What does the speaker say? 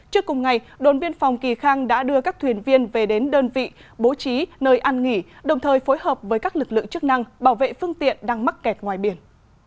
trước cùng ngày đồn biên phòng kỳ khang đã đưa các thuyền viên về đến đơn vị bố trí nơi ăn nghỉ đồng thời phối hợp với các lực lượng chức năng bảo vệ phương tiện đang mắc kẹt ngoài biển